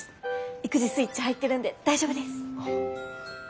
育児スイッチ入ってるんで大丈夫です。